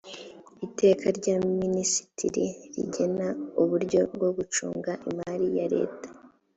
iteka rya minisitiri rigena uburyo bwo gucunga imari ya leta